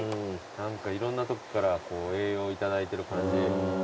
何かいろんなとこから栄養頂いてる感じ。